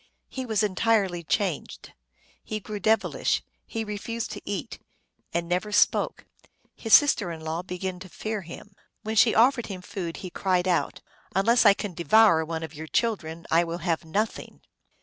He was entirely changed ; he grew devil ish ; he refused to eat, and never spoke. His sister in law began to fear him. When she offered him food he cried out, " Unless I can devour one of your chil dren I will have nothing